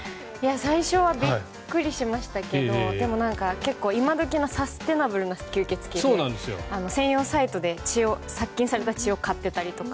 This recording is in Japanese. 最初はびっくりしましたが今どきのサステイナブルな吸血鬼で専用サイトで殺菌された血を買ってたりとか。